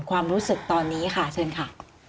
ความรู้สึกตอนนี้ค่ะเชิญค่ะ